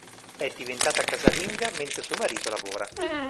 È diventata casalinga mentre suo marito lavora.